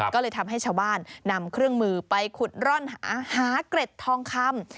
ก็เลยทำให้ชาวบ้านนำเครื่องมือไปขุดร่อนหาเกร็ดทองคำ